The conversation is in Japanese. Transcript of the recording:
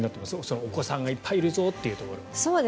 お子さんがいっぱいいるぞというところで。